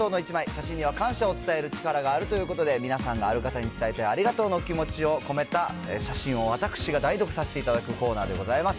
写真には感謝を伝える力があるということで、皆さんがある方に伝えたいありがとうの気持ちを込めた写真を、私が代読させていただくコーナーでございます。